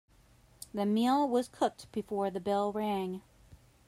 The meal was cooked before the bell rang.